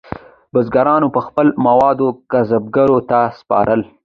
بزګرانو به خپل مواد کسبګرو ته سپارل.